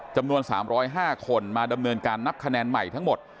จำนวน๓๐๕คนมาดำเนินการนับคะแนนใหม่ทั้งหมด